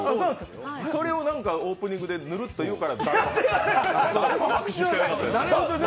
それをなんかオープニングでヌルって言うから。